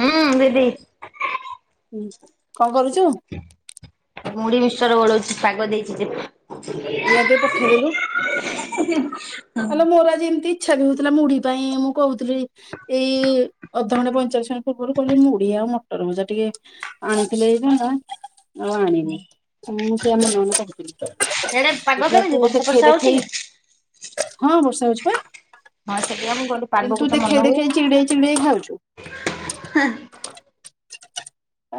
ହୁଁ ଦିଦି। ହୁଁ କଣ କରୁଛୁ? ମୁଢି ମିକ୍ସଚର ଗୋଳଉଛି ପାଗ ଦେଇଛି ଯେ ଇଆଡ଼େ ଟିକେ ପଠେଇଦେଲୁ। [unintelligible] ଆଲୋ ମୋର ଆଜି ଏମିତି ଇଚ୍ଛା ବି ହଉଥିଲା ମୁଢି ପାଇଁ ମୁଁ କହୁଥିଲି ଏଇ ଏଇ ଅଧଘଣ୍ଟେ ପଇଁଚାଳିଶ ମିନିଟ୍ ପୂର୍ବରୁ କହିଲି ମୁଢି ଆଉ ମଟର ଭଜା ଟିକେ ଆଣିଥିଲେ ହେଇଥାନ୍ତା। ଆଉ ଆଣିନି ମୁଁ ସେ ଆମ ନଣନ୍ଦ ଙ୍କୁ କହୁଥିଲି ସିଆଡେ ପାଗ ଦେଖିଲା କେମିତି ତୁ ବର୍ଷା ଦେଖେଇ ଫର୍ଷା ହଉଛି ଦେଖେଇ କି? ହଁ ବର୍ଷା ହେଉଛି ବା। ହଁ ସେଥିପାଇଁ ମୁଁ କହିଲି ପାଗକୁ କିନ୍ତୁ ତ ମନ ଦେଖେଇ ହୁଏ। ଦେଖେଇ ଚିଡେଇ ଚିଡେଇ ଖାଉଛୁ।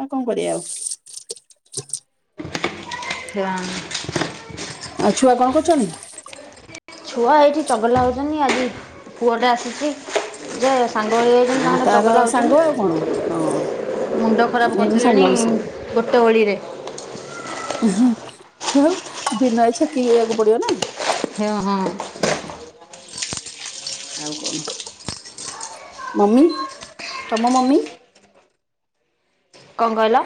ଆ କଣ କରିବା ଆଉ। [unintelligible] ଆଉ ଛୁଆ କଣ କରୁଛନ୍ତି? କିନାହିଁ ଆଜି ପୁଅ ଟା ଆସିଚି ଯେ ସାଙ୍ଗ ହୋଇଯାଇଛନ୍ତି ହଁ ତାଙ୍କର ତାର ଚଗଲା ସାଙ୍ଗ ଆଉ କଣ ହଁ ହେଉଛନ୍ତି। ମୁଣ୍ଡ ଖରାପ ଏଇନୁ କରିଦେଲେଣି ସାଙ୍ଗ ମିଶିଗଲେ ଗୋଟେ ଓଳିରେ। ଦିନ ହେଇଛି କିରେଇବାକୁ ପଡିବ ନା। ହ ହଁ। ଆଉ କଣ ମମି ତମ ମମି। କଣ କହିଲ?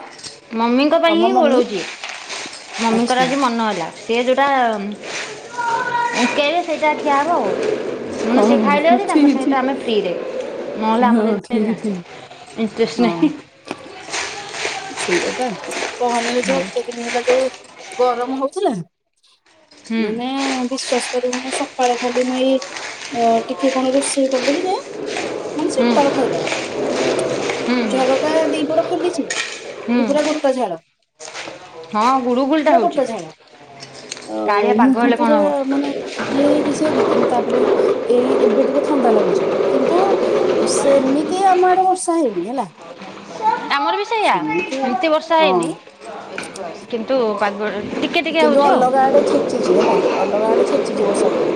ମମିଙ୍କ ପାଇଁ ତମ ହିଁ ମମି ଓଳୋଉଛି ମମିଙ୍କର ଆଚ୍ଛା। ଆଜି ମନ ହେଲା ସେ ଯୋଉଟା ସେଟାଖିଆହବ। କଣ ସେ ହଁ ଖାଇଲେନି ଠିକ ତାଙ୍କ ସହିତ ଠିକ ଆମେ ଫ୍ରିରେ ହଁ ଠିକ ଠିକ ଇଟ୍ରଷ୍ଟ ନାହିଁ। ସେଇଆପା। କହନି ଲୋ ଝିଅ ଏତେ ଦିନ ହେଲା ଯୋଉ ଗରମ ହଉଥିଲା। ହୁଁ ମାନେ ବିଶ୍ଵାସ ସକାଳେ ଖାଲି ମୁଁ ଏଇ ଅ ଟିକେ କଣ ରୋଷେଇ କରିଦେବି ଯେ ମନେ ହୁଁ ସକାଳ ଖାଇବା। ହୁଁ ଝରକା ଦିପଟ ଖୋଲିଛି। ହୁଁ କିନ୍ତୁ ପୁରା ଗୋଟା ଝାଳ। ହଁ ଗୁଳୁଗୁଳିଟା ପୁରା ହେଉଛି ଗୋଟା ଝାଳ ଅ କାଳିଆ ପାଗ ମୁହଁ ହେଲେ କ'ଣ ପୁରା ହେବ ମାନେ ଇଏ ହେଇକି ସେ ହେଇକି କିନ୍ତୁ ତାପରେ ଏଇ ଏବେ ଟିକେ ଥଣ୍ଡା ଲାଗୁଛି। କିନ୍ତୁ ସେମିତି ଆମ ଆଡେ ବର୍ଷା ହେଇନି ହେଲା। ସେଆ ସେମିତି ଏମିତି ବର୍ଷା ହଁ ହେଇନି କି? ତ ପାଗ ଟିକେ ଟିକେ କିନ୍ତୁ ହେଉଛି ଆଉ ହଁ। ଅଲଗା ଆଡେ ଛେଚିଛି ହେଲା ଅଲଗା ଆଡେ ଛେଚିଛି ବର୍ଷା ପୁରା।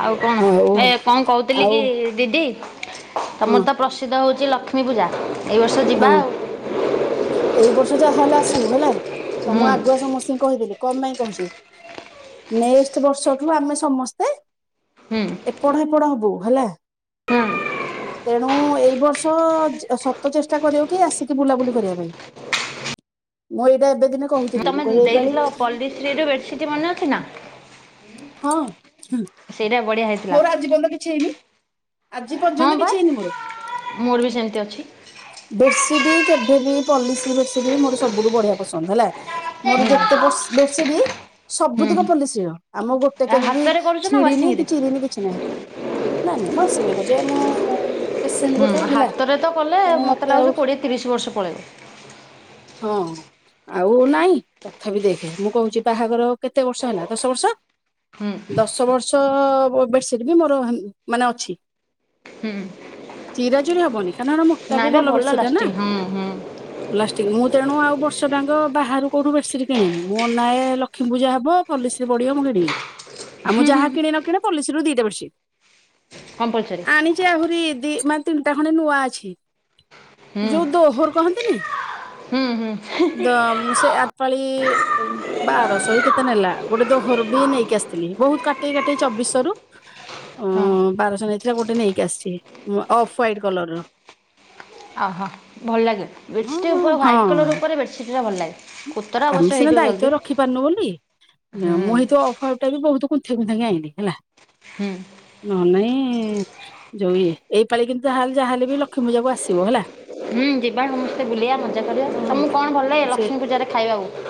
ଆଉ ଆଉ କଣ ଏ କଣ କହୁଥିଲି ଆଉ କି ଦିଦି? ହଁ ତମର ତ ପ୍ରସିଦ୍ଧ ହଉଛି ଛି ଲକ୍ଷ୍ମୀ ପୂଜା। ଏ ବର୍ଷ ହଁ ଯିବା ଆଉ। ଯିବୁ ହେଲା। ତ ମୁଁ ହୁଁ ଆଗୁଆ ସମସ୍ତଙ୍କୁ କହିଦେଲି। କମପାଇଁ କହୁଛି ନେକ୍ସଟ ବର୍ଷଠୁ ଆମେ ସମସ୍ତେ ହୁଁ ଏପଡ ହେପଡ ହବୁ ହେଲା ହୁଁ ତେଣୁ ଏଇ ବର୍ଷ ତ ଚେଷ୍ଟା କରିବ କି ଆସିକି ବୁଲାବୁଲି କରିବା ପାଇଁ ମୁଁ ଏଇଟା ଏବେ ଦିନେ କହୁଛି। ତମେ ଦେଇଥିଲ ପଲ୍ଲିଶ୍ରୀ ରୁ ବେଡସିଟ୍ ମନେ ଅଛିନା। ହଁ ହୁଁ। ମୋର ଆଜି ପର୍ଯ୍ୟନ୍ତ କିଛି ହେଇନି। ଆଜି ହଁ ପର୍ଯ୍ୟନ୍ତ ବା କିଛି ହେଇନି ମୋର। ମୋର ବି ସେମିତି ଅଛି କେବେ ବି ପଲିଶ୍ରି ବେଡସିଟ୍ ମୋର ସବୁଠୁ ବଢିଆ ପସନ୍ଦ ହେଲା। ମୋର ଯେତେ ବସ ବେଡସିଟ୍ ହୁଁ ସବୁତକ ପୋଲିଶିର ଆମ ଗୋଟେ ଆଉ କେବେ ବି ହାତରେ କରୁଛ ନା ଛିଡିନି କି ୱାସିଂରେ ଚ କିଛି ନାହିଁ ନାଇଁ ବସିକି। ଯେ ମୁଁ ପେସେଣ୍ଟ ଗୋଟେ ହୁଁ ହେଲା ହାତରେ ତ କଲେ ତେଣୁ ମତେ ଆଉ ଲାଗୁଛି କୋଡିଏ ତିରିଶ ବର୍ଷ ପଳେଇବ। ହଁ ଆଉ ନାଇଁ ତଥାପି ଦେଖେ ମୁଁ କହୁଛି ବାହାଘର କେତେ ବର୍ଷ ହେଲା ଦଶ ବର୍ଷ। ହୁଁ ଦଶ ବର୍ଷ। ଛଅ ଅ ବେଡସିଟ ବି ମୋର ମାନେ ଅଛି ହୁଁ ଚିରା ଚରି ହବନି। କାଁ ମୋଟାକୁ ନାଇଁ ବା ଭଲ ପଡ ସେଟ ନା ଲାଷ୍ଟିଂ ହୁଁ ହୁଁ ଲାଷ୍ଟିକ ମୁଁ ତେଣୁ ଆଉ ବର୍ଷ ଆଙ୍କ ବାହାରୁ କୋଉଠୁ ବେସିଟ କିଣି ମୋ ନାଁ ଲକ୍ଷ୍ମୀ ପୂଜା ହବଲି ପଢିବ ମୁଁ କିଣିବି ଆଉ ଯାହା। କିଣି ନ କିଣି ପୋଲିସରୁ ଦିଟା ପସି କମ୍ପଲସରୀ ଆଣିଛି ଆହୁରି ଦି ମାନେ ତିନିଟା ଖଣ୍ଡେ ନୂଆ ଅଛି। ହୁଁ ଯୋଉ ଦୋହୋର କହନ୍ତିନି। ହୁଁ ହୁଁ ଦ ମୁଁ ସେ ଏତପଳିି ବାର ଶହି କେତେ ନେଲା ଗୋଟେ ଦୋହର ବି ନେଇକି ଆସିଥିଲି ବହୁତ କା କଟେଇ କାଟ ଚବିଶରୁ ହଁ ବାରଶହ ନେଇଥିଲା ଗୋଟେ ନେଇକି ଆସିଛି ଅଫ ହାଇଟ କଲରର। ଆଜିହା ଭଲ ଲାଗେ ବେଡ଼ସିଟ୍ ଉପରେ ହଁ ହ୍ଵାଇଟ୍ କଲର୍ ଉପରେ ବେଡ଼ସିଟ୍ଟା ଭଲ ଲାଗେ କୁତଟା ଆମେ ଅବଶ୍ୟ ସିନା ହେଇଯିବ ଦାୟିତ୍ଵ ଜଲ୍ଦି ରଖିପାରୁନୁ ହୁ ଏ ବି ବହୁତ କୃତ ଠାଙ୍ଗ ଆଇିଲି ହେଲା ହୁଁ ନହେଲେ ନାଇଁ ଯୋଉ ଇଏ ସବୁ ଯାହାହେଲେ ବି ଲକ୍ଷ୍ମୀ ପୂଜାକୁ ଆସିବ ହେଲା। ହୁଁ ଯିବା ସମସ୍ତେ ବୁଲିବା ମଜା କରିବା ହଁ ତମଁ କଣ ଭଲ ସେ ଲକ୍ଷ୍ମୀ ପୂଜାରେ ଖାଇବାକୁ?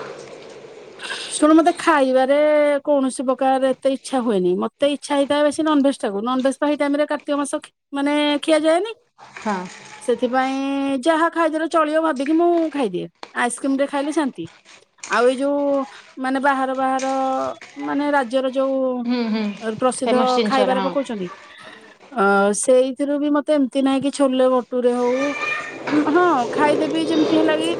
ଶୁଣ ମତେ ଖାଇବାରେ କୌଣସି ପ୍ରକାର ଏତେ ଇଚ୍ଛା ହୁଏନି ମତେ ଇଛା ହେଇଥାଏ ବେଶି ନନଭେଜ୍ ଟାକୁ ନନଭେଜ ହେଇ ଟାଇମ ରେ କାର୍ତ୍ତିକ ମାସ ହେଁ ମାନେ ଖିଆ ଯାଏନି। ହଁ। ସେଥିପାଇଁ ଯାହା ଖାଇ ଦେଲେ ଚଳିବ ଭାବିକି ମୁଁ ଖାଇଦିଏ ଆଇସ୍କ୍ରିମ ରେ ଖାଇଲେ ଶାନ୍ତି ଆଉ ଏଇ ଯୋଉ ମାନେ ବାହାର ବାହାର ମାନେ ରାଜ୍ୟର ଯୋଉ ହୁଁ ହୁଁ ପ୍ରସିଦ୍ଧ ଫେମସ୍ ଜିନିଷଟା ଖାଇବାର ହଁ ପକଉଛନ୍ତି। ଅ ସେଇଥିରୁ ବି ମତେ ଏମିତି ନାହିଁ କି ଛୋଲେ ଭଟୁରେ ହଉ ହଁ ଖାଇଦେବି ଯେମତି ହେଲା କି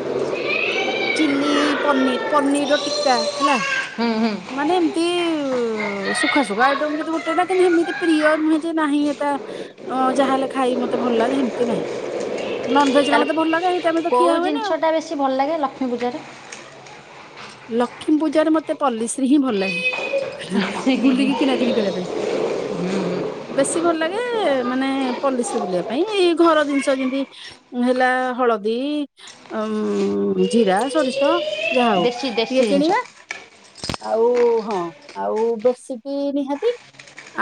ଚିଲ୍ଲି ପନିିର ପନିର ର ଟିକା ହେଲା ହୁଁ ହୁଁ ମାନେ ଏମିତି ଶ ସୁଖା ସୁୁଖା ଆଇଟ ଯ ଗୋଟେଟା କିନ୍ତ ସେମିତି ପ୍ରିୟ ନୁହେଁ ଯେ ନାହିଁ ଏଟା ଯାହା ହେଲେ ଖାଇ ମତେ ଭଲ ଲାଗେ ସେମିତି ନାହିଁ ନନଭେଜ ମତେ ଭଲ ଲାଗେ ଆମେ ତ ଖିଆ କେଉଁ ହୁଏନି ଆଉ। ଜିନିଷଟା ବେଶୀ ଭଲ ଲାଗେ ଲକ୍ଷ୍ମୀ ପୂଜାରେ? ଲକ୍ଷ୍ମୀ ପୂଜାରେ ମତେ ପଲ୍ଲିଶ୍ରୀ ହିଁ ଭଲ ଲାଗେ। ହିଁ ହିଁ। ବେଶି ଭଲ ଲାଗେ ମାନେ ପଲିସ ବୁଲିବା ପାଇଁ ଏଇ ଘର ଜିନିଷ ଯେମିତି ହେଲା ହଳଦୀ ଉ ଜିରା ସୋରିଷ ଯାହା ହଉ। ଦେଶି ଟିକେ ଦେଶି କିଣିବା ଜିନିଷ। ଆଉ ହଁ ଆଉ ବେଡସିଟି ବି ନିହାତି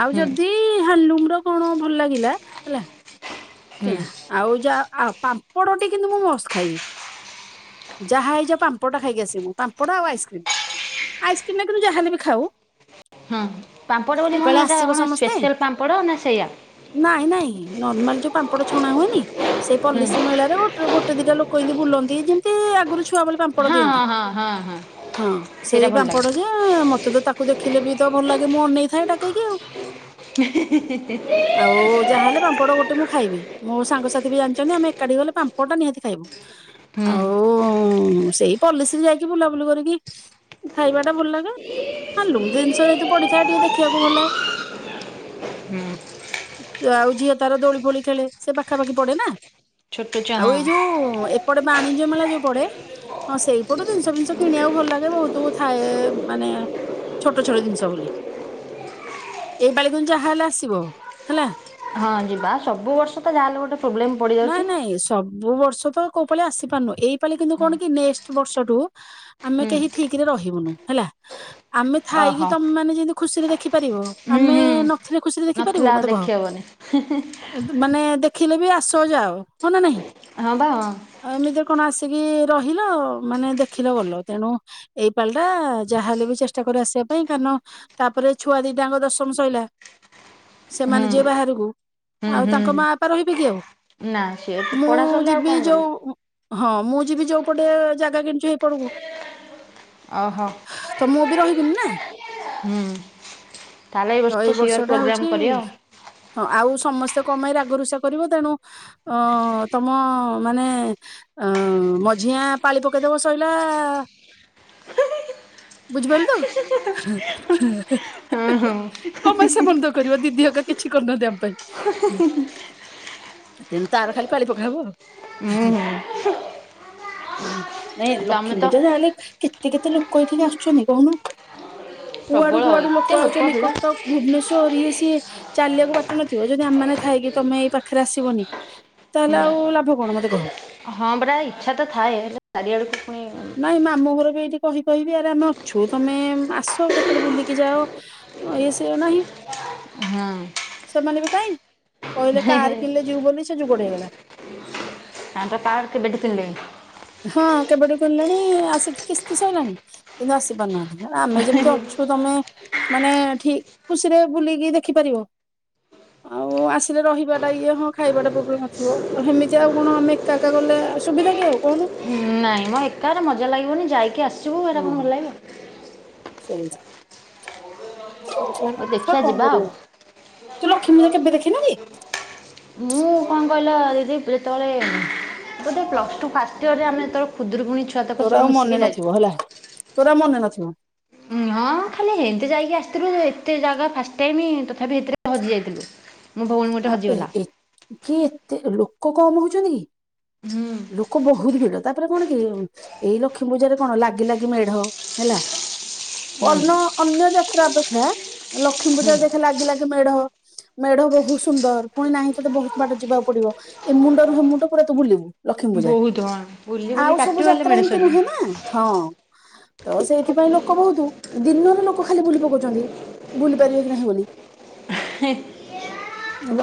ଆଉ ହୁଁ ଯଦି ହ୍ୟାଣ୍ଡ ଲୁମ୍ ର କଣ ଭଲ ଲାଗିଲା ହେଲା। ହୁଁ ଆଉ ଯା ଆଉ ପାମ୍ପଡଟି କିନ୍ତୁ ମୁଁ ମସ୍ତ ଖାଇବି। ଯାହା ହେଇଯାଉ ପାମ୍ପଡଟା ଖାଇକି ଆସିବି ପାମ୍ପଡ ଆଉ ଆଇସ୍କ୍ରିମ୍ ଆଇସ୍କ୍ରିମ ଟା କିନ୍ତୁ ଯାହାହେଲେ ବି ଖାଉ। ହଁ। ପାମ୍ପଡ଼ ବୋଲି ଏପାଳି କଣ ଏଇଟା ଆସିବ କଣ ସମସ୍ତେ ସ୍ପେଶାଲ୍ ପାମ୍ପଡ଼ ନା ସେଇଆ। ନାଇଁ ନାଇଁ ନର୍ମାଲ ଯୋଉ ପାମ୍ପଡ ଛଣା ହୁଏନି। ସେଇ ହୁଁ। ପଲିଶ୍ରୀ ମେଳାରେ ଗୋ ଗୋଟେ ଦିଟା ଲୋ ଲୋକ ଏମତି ବୁଲନ୍ତି ଯେମ ସେତେ ଆଗରୁ ଛୁଆବେଳେ ପାମ୍ପଡ ହଁ ଦିଅନ୍ତି। ହଁ ହଁ ହଁ ହଁ ହଁ ସେଇଟା ସେଇ ଭଲ ଲାଗେ ପାମ୍ପଡ ଯେ ମ ତ ତ ତାକୁ ଦେଖିଲେ ବି ତ ଭଲ ଲାଗେ ମୁଁ ଅନେଇଥାଏ ଡାକେଇକି ଆଉ। ଆଉ ଯାହାହେଲେ ପାମ୍ପଡ ଗୋଟେ ମୁଁ ଖାଇବି। ମୋ ସାଙ୍ଗସାଥି ବି ଜାଣିଛନ୍ତି ଆମେ ଏକାଠି ଗଲେ ପାମ୍ପଡ଼ ଟା ନିହାତି ଖାଇବୁ। ହୁଁ। ଉଁ ସେଇ ପଲିସିରେ ଯାଇକି ବୁଲାବୁଲି କରିକି ଖାଇବା ଟା ଭଲ ଲାଗେ ହାଲୁମ ଜିନିଷ ତୁ ୟୁ ଟିକେ ଦେଖିବାକୁ ଭଲ ଲାଗେ ହୁଁ। ଆଉ ଝିଅ ତାର ଦୋଳି ଫୋଳି ଖେଳେ ସେ ପାଖାପାଖି ପଡେ ନା। ଛୋଟ ଛୁଆ ଆଉ ହଁ ଏଇ ଯୋଉ ଏପଟେ ବାଣିଜ୍ୟ ମେଳା ଯୋଉ ପଡେ ହଁ ୟ ଜିନିଷ ଫିନିଷ କିଣିବାକୁ ଭଲ ଲାଗେ ବହୁତ ଥାଏ ମାନେ ଛୋଟ ଛୋଟ ଜିନିଷ ବୋଲି ଏଇ ପାଳି ତମେ ଯାହା ହେଲେ ଆସିବ ହେଲା। ହଁ ଯିବା ସବୁ ବର୍ଷ ତ ଯାହାହେଲେ ଗୋଟେ। ପ୍ରୋବ୍ଲେମ ପଡି ଯାଉଛି। ଯୋଉ ବର୍ଷ ତ କୋଉ ପାାଲି ଆସିପାରୁନୁ ଏଇପାଲି କିନ୍ତୁ ହଁ କଣ କି ନେକ୍ସଟ୍ ବର୍ଷଠୁ ଆମେ ହୁଁ କେହି ଠିକ ରେ ରହିବୁନୁ ହେଲା। ଆମେ ଥାଇକି ଓହୋ ତମ ମାନେ ଯଦି। ଖୁସିରେ ଦେଖୁ ଖିପାରିବ ହୁଁ ଆମେ ହୁଁ। ନଥିଲେ ଖୁସିରେ ଦେଖିପାରିବ ନଥିଲା ଆଉ ମତେ କହ ଦେଖିହବନି ଏମିତି ମାନେ ଦେ ଦେଖିଲେ ବି ଆସ ଯାଅ ହଁ ନା ନାହିଁ। ହଁ ବା ହଁ। ଆଉ ଏମିତିରେ କଣ ଆସ ଆସିକି ରହିଲ ମାନେ ଦେଖିଲ ଗଲ ତେଣୁ ଏଇ ପାଳି ଟା ଯାହାହେଲେ ବି ଚେଷ୍ଟା କର ଆସିବା ପାଇଁ କାରଣ ତାପରେ ଛୁଆ ଦିଟାଙ୍କ ଦଶମ ସଇଲା। ସେମାନେ ହୁଁ ଯିବେ ବାହାରକୁ ହୁଁ ଆଉ ହୁଁ ତାଙ୍କ ମା ବାପା ର କି ଆଉ। ନା ସିଏ ତ ପଢା ମୁଁ ସରିଲେ ଆଉ ଯିବି କଣ କରିବି। ଯୋଉ ହଁ ମୁଁ ଯିବି ଯୋଉପଟେ ଜାଗା କିଣିଛୁ ହେଇପଟକୁ। ଓହୋ ତ ମୁଁ ବି ରହିବିନି ନା ହୁଁ ତାହେଲେ ତ ଏଇ ସିଓର ବର୍ଷ ଟା ପ୍ରୋଗ୍ରାମ ହଉଛି କରିବା ଆଉ। ହଁ ଆଉ ସମ ସେ ଙ୍କ ପାଇଁ ରାଗରୁଷା କରିବ ତେଣୁ। ଅଁ ତମ ମାନେ ଅ ମଝିଆ ପାଳି ପକେଇଦବ ସଇଲା ବୁଝିପାରିଲ ତ। ହୁଁ କମାସା ବନ୍ଦ କରିବ ଦି ଦିଅଗା କିଛି କରିୁନାହାନ୍ତି ଆମ ପାଇଁ। ତାର ଖାଲି ପାଳି ପକାହବା ହଁ। ହୁଁ ନାଇଁ ତମେ ଲକ୍ଷ୍ମୀ ତ ପୂଜା ଯାହା ହେଲେ କେତେ। କେତେ କେତେ ଲୋକ ଏଇଠିକି ଆସୁଛନ୍ତି କହୁନ? କୁଆଡୁ ପ୍ରବଳ କୁଆଡୁ ଲୋକ ଏତେ ଆଉଛନ୍ତି ଭିଡ଼। କଟକ ଭୁବନେଶ୍ୱର ଇଏ ସିଏ। ଚାଲିବାକୁ ବାଟୁ ନଥିବ ଯଦି ଆମେମାନେ ଥାଇକି ତମେ ଏଇ ପାଖରେ ଆସ୍ ଯିବନି। ହଁ ହଁ ପରା ଇଚ୍ଛା ତ ଥାଏ ହେଲେ ଚାରି ଆଡକୁ ପୁଣି ନାଇଁ ମାମୁଁ ଘର ବି ଏଇଠି କହି କହିବି ଆରେ ଆମେ ଅଛୁ ତମେ ଆସ କେତେବେଳେ ବୁଲିକି ଯାଅ ଇଏ ସେ ନାହିଁ ହଁ ସେମାନେ ବି କାହିଁ। କହିଲେ କାର୍ ହେଲେ ଯିବୁ ବୋଲି ସେ ଯୁଗଟେ ହେଇଗଲା। [inaudible] ତାଙ୍କର କାର୍ କେବେ ଠୁ କିଣିଲେଣି। ହଁ କେବେଠୁ କିଣିଲେଣି ଆସିକି କିସ୍ତି ସୋଇଲାଣି କିନ୍ତୁ ଆସି ପାରୁନାହାନ୍ତି। ଆମେ ଯେମିତି ଅଛୁ ତମେ। ମାନେ ଠିକ ଖୁସିରେ ବୁଲିକି ଦେଖିପାରିବ ଆଉ ଆସିଲେ ରହିବା ଟା ଇଏ ହଁ ଖାଇବାଟା ପ୍ରୋବ୍ଲେମ ନଥିବ ସେମିତି ଆଉ କଣ ଆମେ ଏକା ଏକ ଗଲେ ସୁବିଧା କି ଆଉ? କହୁନୁ। ନାଇଁ ମୋ ଏକାରେ ମଜା ଲାଗିବନି ଯାଇକି ଆସ ଯିବୁ ଏଇଟା କଣ ହଁ। ଭଲ ଲାଗିବ। ସେଇଆ। [unintelligible] ହଉ ଦେଖିବା କଣ ଯିବା ଆଉ। କରିବୁ ତୁ ଲକ୍ଷ୍ମୀ ପୂଜା କେବେ ଦେଖିନୁ କି? ମୁଁ କଣ କହିଲ ଦିଦି ଯେତେବେଳେ, ପ୍ଲସ୍ ଟୁ ଫାଷ୍ଟ ୟେର୍ ରେ ଆମେ ଯେତେବେଳେ ଖୁଦୁରୁକୁ ତୋର ଆଉ ମନେ ନଥିବ ହେଲା। ତୋରା ଆଉ ମନେ ନଥିବ। ଉଁ ହଁ ଖାଲି ହେମିତି ଯାଇକି ଆସିଥିଲୁ ଏତେ ଜାଗା ଫାଷ୍ଟ ଟାଇମ ତଥାପି ଭିତରେ ଆମେ ହଜି ଯାଇଥିଲୁ। ମୋ ଭଉଣୀ ଗୋଟେ ଆପେ ହଜିଗଲା। ଏ କିଏ? ଏତେ ଲୋକ କମ ହଉଛନ୍ତି ହୁଁ। କି ଲୋକ ବହୁତ ଭିଡ ତାପରେ କଣ କି ଏଇ ଲକ୍ଷ୍ମୀ ପୂଜରେ କଣ ଲାଗି ଲାଗି ମେଢ ହେଲା। ହୁଁ ଅନ୍ୟ ଅନ୍ୟ ଜାତି। ଯା ଅପେକ୍ଷା ଲକ୍ଷ୍ମୀ ହୁଁ ପୂଜାରେ ଦେଖେ ଲାଗି ଲାଗି ମେଢ ମେଢ଼ ବହୁତ ସୁନ୍ଦର ପୁଣି ନାହିଁ ତୋତେ ବହୁତ ବାଟ ଯିବାକୁ ପଡିବ ଏ ମୁଣ୍ଡରୁ ସେ ମୁୁଣ୍ଡ ପୁରା ତୁ ବୁଲିବୁ। ଲକ୍ଷ୍ମୀ ପୂଜା ବହୁତ ହଁ ବୁଲି ବୁଲି ଆଉ ସବୁ କାଟିବ ହେଲେ ଯାତ୍ରା ମେଢ ଏମିତି ସରିବନି। ନୁହେଁ ନା ହଁ। ତ ସେଇଥିପାଇଁ ଲୋକ ବହୁତ ଦିନରେ ଲୋକ ଖାଲି ବୁଲି ପକଉଛନ୍ତି ବୁଲି ପାରିବେ କି ନାହିଁ ବୋଲି। ହଁ।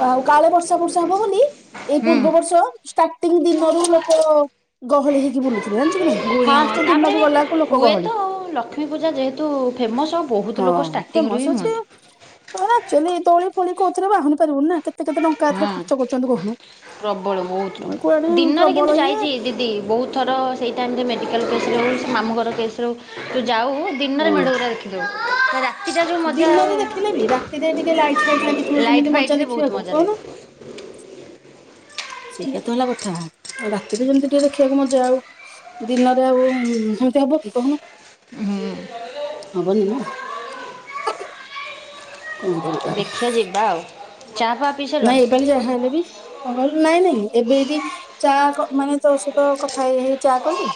ଆଉ କାଳେ ବର୍ଷା ବର୍ଷା ହବ ବୋଲି। ଏଇ ହୁଁ ପୂର୍ବ ବର୍ଷ। ଷ୍ଟାର୍ଟିଂ ଦିନରୁ ଲୋକ ଗହଳି ହେଇକି ବୁଲୁଥିଲେ ଜାଣିଛୁ କି ନାଇଁ ଗୁଣି ହଁ ଫାଷ୍ଟ ତାପରେ ଦିନ ବି ଗଲାକୁ ଲୋକ ହୁଏ ତ ଗହଳି। ଲକ୍ଷ୍ମୀ ପୂଜା ଯେହେତୁ ଫେମସ୍ ଆଉ ବହୁତ ହଁ ଲୋକ ଷ୍ଟାର୍ଟିଂରୁ ହିଁ ହୁଅନ୍ତି। ଚ ଏ ତଳି ଫୋଳି କହୁଥିଲେ ବା କର ନା କେ ହୁଁ ପ୍ରବଳ ବହୁତ ଟଙ୍କା କୁଆଡେ ଦିନରେ ପ୍ରବଳ କିନ୍ତୁ ଇଏ ଯାଇଛି ଦିଦି ବହୁତ ଥର ସେଇଟାଇମ ମେଡିକାଲ କେସ ମାମୁ ଘର କେସ ରେ ହୁ ଯାଉ ଦିନରେ ହଁ ମେଢୁରେ ରଖିଦେଉ। ହେଲା। ଦିନରେ ଦେଖିଲେ ବି ରାତିରେ ଟିକେ ଲାଇଟ୍ ଫାଇଟ୍ ଲାଗିଥିବ ଲାଇଟ୍ ଯେମିତି ମଜା ଫାଇଟ୍ରେ ବହୁତ ଦେଖିବାକୁ ମଜା ଲାଗେ କହିନୁ ସେଇଆା ତ ହେଲା କଥା ରାତିରେ ଯେମିତି ଟିକେ ଦେଖିବାକୁ ମଜା ଆଉ ଦିନରେ ଆଉ ସେମିତି ହବ କି କହୁନ ହୁଁ। ହବନି ନା। କଣ କରିବା ଆଉ ଦେଖିବା ଯିବା ଆଉ ଚା ଫା ପିଇ ନାଇଁ ସାରିଲଣି? ଏଇ ପାଳି ଯାହା ହେଲେ ବି ନାଇଁ ନାଇଁ ଏବେଦି ଚା ମାନେ ତୋ ସହିତ କଥା ହେଇ ଚା କଲି।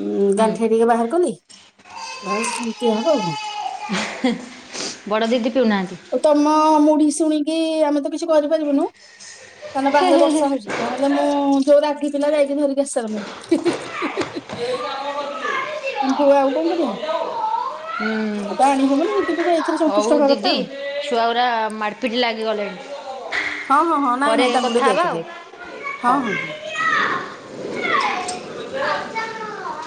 ଉଁ ହୁଁ। ଗାଣ୍ଠିଆ ଟିକେ ବାହାର କଲି। ବସ୍ ଏମିତିଆ ହବ ଆଉ କଣ। ବଡ଼ ଦିଦି ପିଉନାହାନ୍ତି? ଓ ତମ ମୁଡି ଶୁଣି କି ଆମେ ତ କିଛି କରିପାରିବୁନୁ ତମ ବାହାରେ ବର୍ଷା ହୋଉଚି ନହ ହେଲେ ମୁଁ ଯୋଉ ରାଗି ପିଲା ଯାଇଚି ଧରିକି ଆସାରନ୍ତେଣି କିନ୍ତୁ ଆଉ କଣ କରବା। ଆଉ ତ ଆଣି ହବନି ଏଥିଯୋଗୁ ଆ ହୋଉ ଦିଦି ଛୁଆଗୁରା ମାଡ଼ପିଟି ଲାଗିଗଲେଣି। ହଁ ହଁ ହଁ ନାଇଁ ପରେ ନାଇଁ ତାଙ୍କୁ ଟିକେ କଥା ହେବା ଦେଖେ ଆଉ ଦେଖେ ହଁ ହଉ। ହଁ ହଁ।